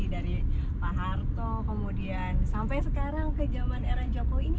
dari pak harto kemudian sampai sekarang ke zaman era jokowi ini